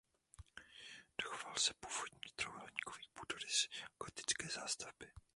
Dochoval se původní trojúhelníkový půdorys gotické zástavby.